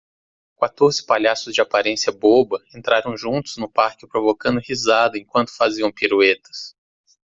Quatorze palhaços de aparência boba entraram juntos no parque provocando risadas enquanto faziam piruetas.